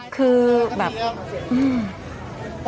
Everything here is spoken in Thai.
คือแบบ